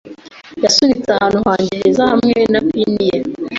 Yasunitse ahantu hanjye heza hamwe na pin ye